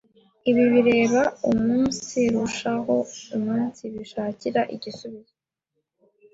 ibi bireba mu umunsirushaho umunsibishakira igisubizo